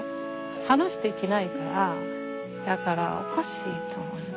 話できないからだからおかしいと思ったね。